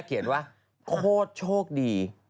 เขียนว่าโคตรโชคดี